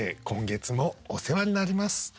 今月もお世話になります。